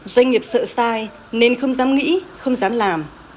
doanh nghiệp sợ sai nên không dám nghĩ không dám làm